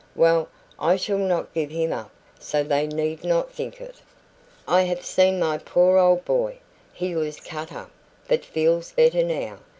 Well, I shall not give him up, so they need not think it.... "I have seen my poor old boy. He was much cut up, but feels better now....